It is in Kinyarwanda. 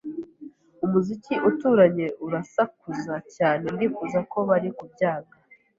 Umuziki uturanye urasakuza cyane. Ndifuza ko bari kubyanga.